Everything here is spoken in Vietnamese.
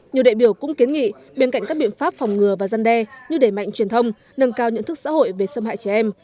nhiều đại biểu cũng kiến nghị bên cạnh các biện pháp phòng ngừa và giăn đe như đẩy mạnh truyền thông nâng cao nhận thức xã hội về xâm hại trẻ em